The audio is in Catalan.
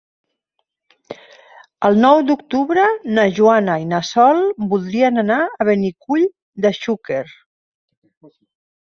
El nou d'octubre na Joana i na Sol voldrien anar a Benicull de Xúquer.